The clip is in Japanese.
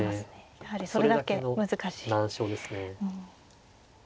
やはりそれだけ難しい。